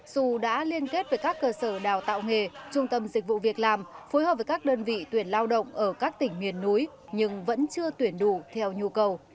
dù đã liên kết với các cơ sở đào tạo nghề trung tâm dịch vụ việc làm phối hợp với các đơn vị tuyển lao động ở các tỉnh miền núi nhưng vẫn chưa tuyển đủ theo nhu cầu